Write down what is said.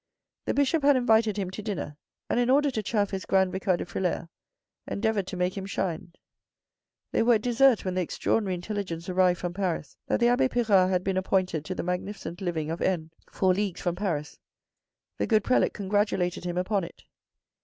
The Bishop had invited him to dinner, and in order to chaff his Grand Vicar de Frilair, endeavoured to make him shine. They were at dessert when the extraordinary intelligence arrived from Paris that the abbe Pirard had been appointed to the magnificent living of N. four leagues from Paris. The good prelate congratulated him upon it.